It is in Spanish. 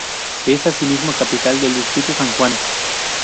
Es asimismo capital del distrito de San Juan.